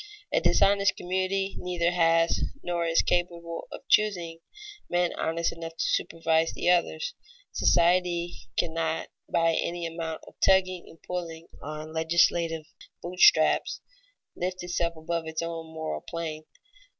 A dishonest community neither has, nor is capable of choosing, men honest enough to supervise the others. Society cannot, by any amount of tugging and pulling on legislative boot straps, lift itself above its own moral plane.